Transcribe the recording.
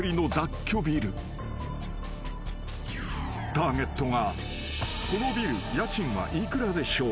［ターゲットが「このビル家賃は幾らでしょう？」